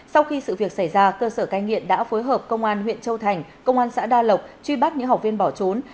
sau khi sự việc xảy ra cơ sở cai nghiện đã phối hợp công an huyện châu thành công an xã đa lộc truy bắt những học viên bỏ trốn